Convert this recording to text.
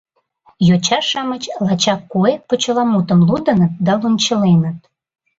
Йоча-шамыч лачак «Куэ» почеламутым лудыныт да лончыленыт.